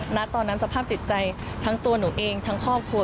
ณตอนนั้นสภาพจิตใจทั้งตัวหนูเองทั้งครอบครัว